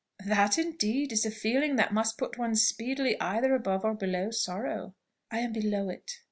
"That, indeed, is a feeling that must put one speedily either above or below sorrow." "I am below it."